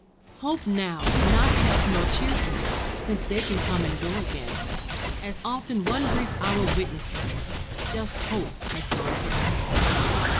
Hope now, not health nor cheerfulness, Since they can come and go again, As often one brief hour witnesses, Just hope has gone forever.